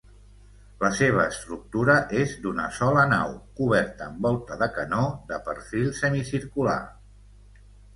La seva estructura és d'una sola nau, coberta amb volta de canó de perfil semicircular.